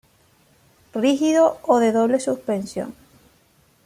Rígido o de doble suspensión.